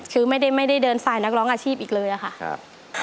คือไม่ได้เดินสายนักร้องอาชีพอีกเลยอะค่ะ